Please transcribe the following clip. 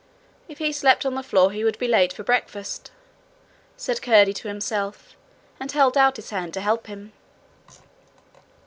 'If he slept on the floor he would be late for breakfast,' said Curdie to himself, and held out his hand to help him.